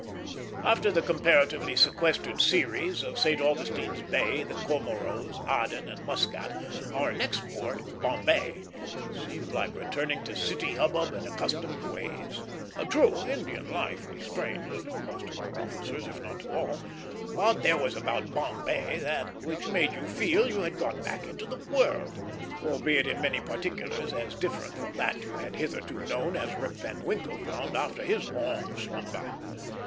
After the comparatively sequestered series of St. Augustine's Bay, the Comoros, Aden, and Muscat, our next port, Bombay, seemed like returning to city hubbub and accustomed ways. True, Indian life was strange to most of our officers, if not to all; but there was about Bombay that which made you feel you had got back into the world, albeit in many particulars as different from that you had hitherto known as Rip Van Winkle found after his long slumber.